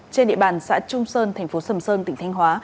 trên địa bàn xã trung sơn tp sầm sơn tỉnh thanh hóa